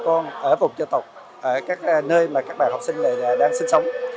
chúng tôi mong muốn là các bà con ở vùng dân tộc các nơi mà các bà học sinh đang sinh sống